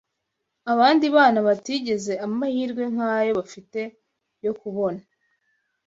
abandi bana batagize amahirwe nk’ayo bafite yo kubona